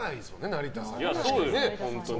成田さんに。